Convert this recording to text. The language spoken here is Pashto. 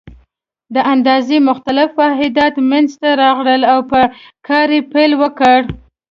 د اندازې مختلف واحدات منځته راغلل او په کار یې پیل وکړ.